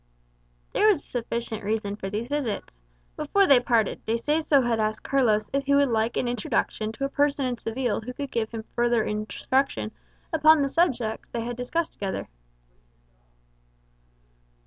There was a sufficient reason for these visits. Before they parted, De Seso had asked Carlos if he would like an introduction to a person in Seville who could give him further instruction upon the subjects they had discussed together.